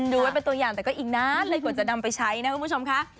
ดูไว้เป็นตัวอย่างแต่ก็อีกนานเลยกว่าจะนำไปใช้นะคุณผู้ชมค่ะ